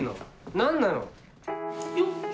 何なの？